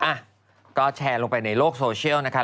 อ่ะก็แชร์ลงไปในโลกโซเชียลนะคะ